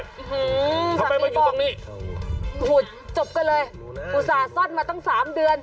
ทำไมไม่อยู่ตรงนี้ขุดจบกันเลยอุตส่าห์ซ่อนมาตั้งสามเดือน